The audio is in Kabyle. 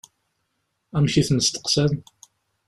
Amek i ten-steqsan?